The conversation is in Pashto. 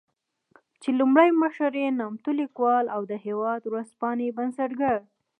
چې لومړی مشر يې نامتو ليکوال او د "هېواد" ورځپاڼې بنسټګر